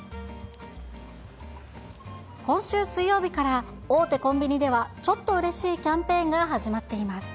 今週水曜日から、大手コンビニでは、ちょっとうれしいキャンペーンが始まっています。